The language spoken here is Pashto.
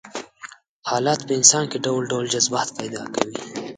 حالات په انسان کې ډول ډول جذبات پيدا کوي.